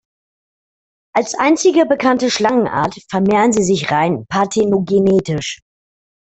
Als einzige bekannte Schlangenart vermehren sie sich rein parthenogenetisch.